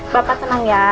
bapak tenang ya